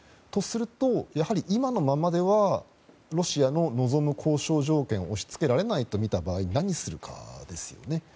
とすると、やはり今のままではロシアの望む交渉条件を押し付けられないとみた場合何をするかですよね。